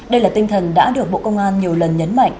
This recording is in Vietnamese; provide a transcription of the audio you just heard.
đây là tinh thần đã được bộ công an nhiều lần nhấn mạnh